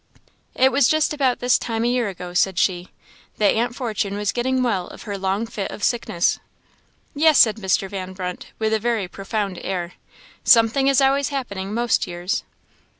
"It is just about this time a year ago," said she, "that Aunt Fortune was getting well of her long fit of sickness." "Yes!" said Mr. Van Brunt, with a very profound air; "something is always happening most years."